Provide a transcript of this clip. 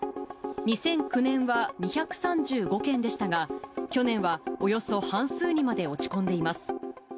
２００９年は２３５件でしたが、去年はおよそ半数にまで落ち込んでいます。